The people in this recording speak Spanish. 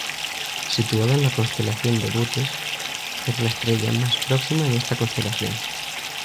Situada en la constelación de Bootes, es la estrella más próxima en esta constelación.